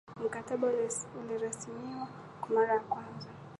mkataba ulirasimiwa kwa mara ya kwanza